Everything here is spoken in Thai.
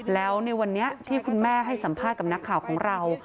แล้วในวันนี้ที่คุณแม่ให้สัมภาษณ์กับนักข่าวของเรา